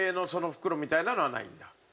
袋みたいなのはない。